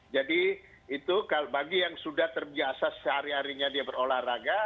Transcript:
jadi bagi yang sudah terbiasa sehari harinya dia berolahraga